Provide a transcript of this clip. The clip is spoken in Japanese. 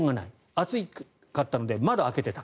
暑かったので窓を開けていた。